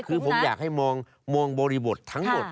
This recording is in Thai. คือผมอยากให้มองบริบททั้งหมด